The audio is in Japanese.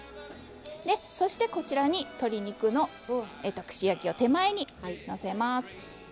そしてこちらに鶏肉の串焼きを手前にのせます。